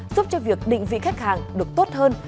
giúp cho việc định vị khách hàng được tốt hơn